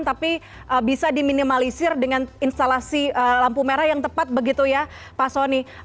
tapi bisa diminimalisir dengan instalasi lampu merah yang tepat begitu ya pak soni